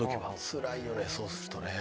つらいよね、そうするとね。